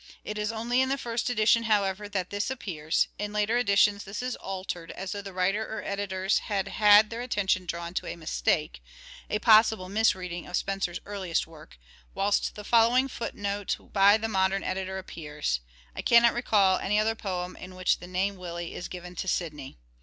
It is only in the first edition, however, that this appears ; in later editions this is altered, as though the writer or editors had had their attention drawn to a mistake — a possible misreading of Spenser's earliest work — whilst the following footnote by the modern editor appears :" I cannot recall any other poem in which the name Willie is given to Sidney."